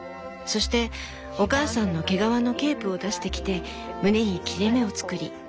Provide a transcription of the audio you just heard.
そしてお母さんの毛皮のケープを出してきて胸に切れ目を作り